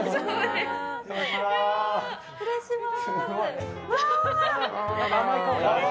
失礼します。